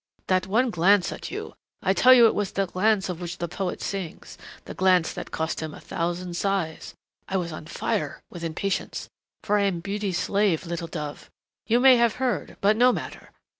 That one glance at you I tell you it was the glance of which the poet sings the glance that cost him a thousand sighs. I was on fire with impatience.... For I am beauty's slave, little dove.... You may have heard but no matter.